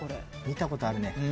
見たことあるね。